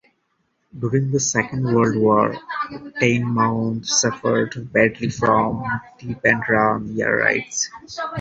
During the Second World War Teignmouth suffered badly from "tip and run" air raids.